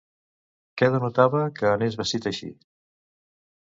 Què denotava que anés vestit així?